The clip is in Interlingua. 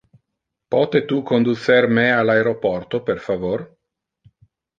Pote tu conducer me al aeroporto per favor?